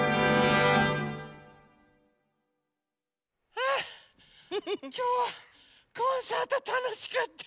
あきょうはコンサートたのしかった。